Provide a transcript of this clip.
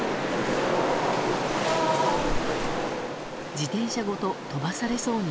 自転車ごと飛ばされそうに。